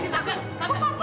jadi orang gampang